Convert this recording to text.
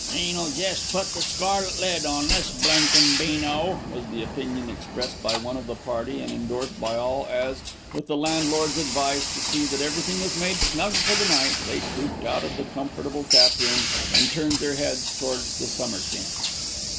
"Rain'll jest put the scarlet lid on this blinkin' beano," was the opinion expressed by one of the party and endorsed by all, as, with the landlord's advice to see that everything was made snug for the night, they trooped out of the comfortable tap room and turned their heads towards the Summer Camp.